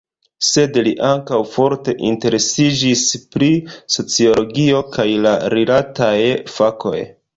Sed li ankaŭ forte interesiĝis pri sociologio kaj la rilataj fakoj.